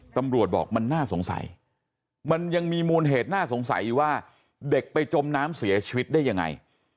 ตำรวจบอกมันน่าสงสัยมันยังมีมูลเหตุน่าสงสัยอยู่ว่าเด็กไปจมน้ำเสียชีวิตได้ยังไง